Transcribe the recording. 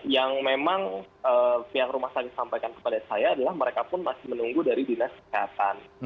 yang memang pihak rumah sakit sampaikan kepada saya adalah mereka pun masih menunggu dari dinas kesehatan